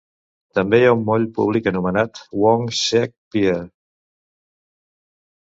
També hi ha un moll públic anomenat Wong Shek Pier.